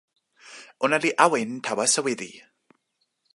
ona li awen tawa soweli.